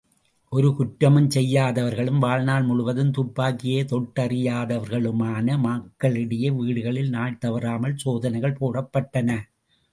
ஒரு குற்றமும் செய்யாதவர்களும், வாழ்நாள் முழுவதும் துப்பாக்கியையே தொட்டறியாதவர்களுமான மக்களுடைய வீடுகளில் நாள் தவறாமல் சோதனைகள் போடப்பட்டன.